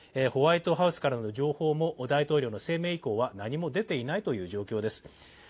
ホワイトハウスからの情報も大統領の声明以降は何も出ていないという状況です。